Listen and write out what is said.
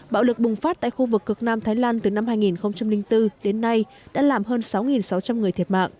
bạo lực bùng phát tại khu vực cực nam thái lan từ năm hai nghìn bốn đến nay đã làm hơn sáu sáu trăm linh người thiệt mạng